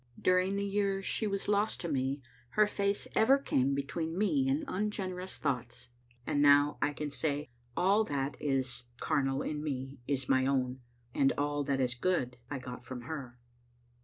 During the years sh^ was lost to me her face ever came between me and un generous thoughts ; and now I can say, all that is carnal in me is my own, and all that is good I got from her.